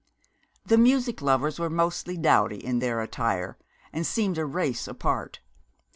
The music lovers were mostly dowdy in their attire, and seemed a race apart.